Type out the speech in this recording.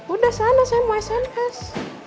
udah sana saya mau sankes